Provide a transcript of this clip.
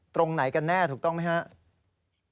ตรงไหนกันแน่ถูกต้องไหมครับ